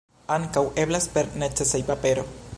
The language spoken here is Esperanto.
Ankaŭ eblas per necesejpapero!